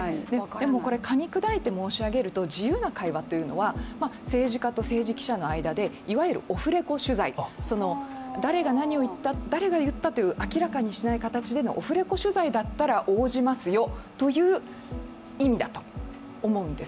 でもこれ、かみ砕いて申し上げますと自由な会話というのは、政治家と政治記者の間でいわゆるオフレコ取材誰が何を言った、誰が言ったと明らかにしない形のオフレコ取材だったら応じますよという意味だと思うんです。